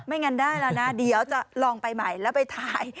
งั้นได้แล้วนะเดี๋ยวจะลองไปใหม่แล้วไปถ่าย